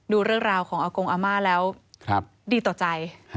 ดูเรื่องราวของอากงอาม่าแล้วดีต่อใจ